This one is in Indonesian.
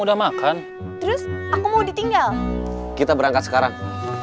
udah makan terus aku mau ditinggal kita berangkat sekarang